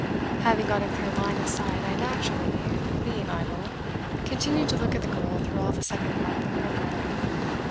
Having got a clear line of sight I naturally (being idle) continued to look at the girl through all the second part of the programme.